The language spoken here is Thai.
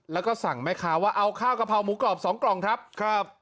แล้วก็สั่งแม่ค้าว่าเอาข้าวกะเพราหมูกรอบสองกล่องครับครับ